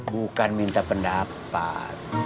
bukan minta pendapat